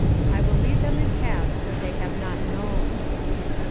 "I will lead them in paths that they have not known."